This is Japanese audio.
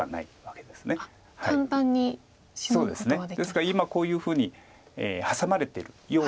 ですから今こういうふうにハサまれてるようですけれども。